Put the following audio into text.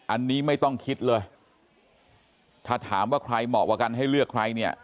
อันนี้ไม่ต้องคิดเลยถ้าถามว่าใครเหมาะกว่ากันให้เลือกใครเนี่ย